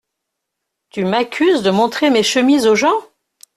Tu m’accuses de montrer mes chemises aux gens !